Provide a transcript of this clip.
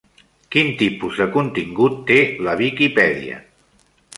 Quin tipus de contingut té la Viquipèdia?